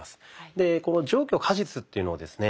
でこの上虚下実っていうのをですね